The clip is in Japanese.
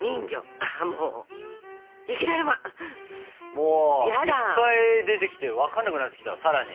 もういっぱい出てきて分かんなくなってきたさらに。